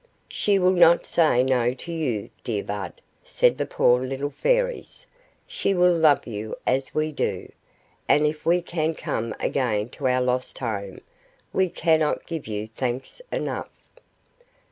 "She will not say no to you, dear Bud," said the poor little Fairies; "she will love you as we do, and if we can but come again to our lost home, we cannot give you thanks enough.